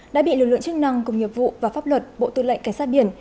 đã bị lực lượng chức năng cùng nghiệp vụ và pháp luật bộ tư lệnh cảnh sát biển